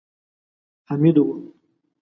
حميد و.